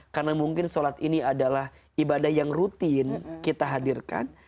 karena mungkin sholat ini adalah ibadah yang rutin kita hadirkan